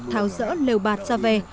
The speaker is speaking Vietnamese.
tháo rỡ lều bạt ra về